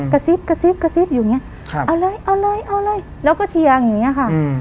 กระซิบอยู่อย่างนี้เอาเลยแล้วก็เชียงอย่างนี้ค่ะ